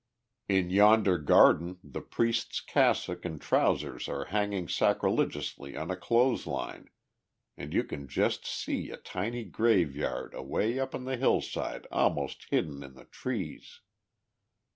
In yonder garden the priest's cassock and trousers are hanging sacrilegiously on a clothes line, and you can just see a tiny graveyard away up on the hillside almost hidden in the trees.